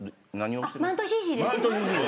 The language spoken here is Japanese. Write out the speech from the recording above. あっマントヒヒです。